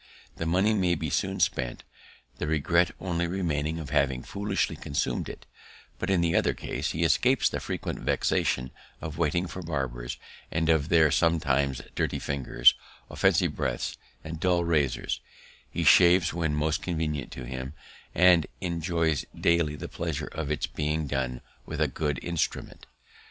The money may be soon spent, the regret only remaining of having foolishly consumed it; but in the other case, he escapes the frequent vexation of waiting for barbers, and of their sometimes dirty fingers, offensive breaths, and dull razors; he shaves when most convenient to him, and enjoys daily the pleasure of its being done with a good instrument.